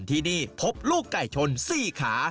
ที่นี่พบลูกไก่ชน๔ขา